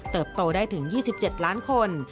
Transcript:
โตได้ถึง๒๗ล้านคน